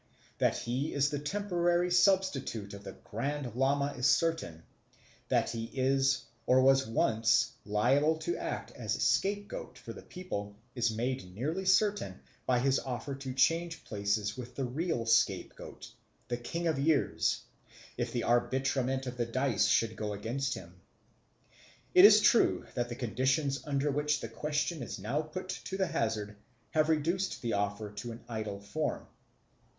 That he is the temporary substitute of the Grand Lama is certain; that he is, or was once, liable to act as scapegoat for the people is made nearly certain by his offer to change places with the real scapegoat the King of the Years if the arbitrament of the dice should go against him. It is true that the conditions under which the question is now put to the hazard have reduced the offer to an idle form.